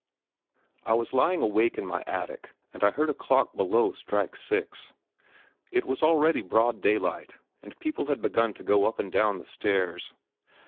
I was lying awake in my attic and I heard a clock below strike six. It was already broad daylight, and people had begun to go up and down the stairs.